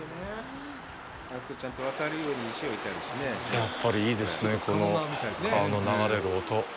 やっぱり、いいですねぇ、この川の流れる音。